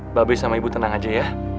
mbak bei sama ibu tenang aja ya